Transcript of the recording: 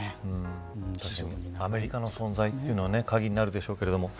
アメリカの存在というのはカギになるでしょうけれども。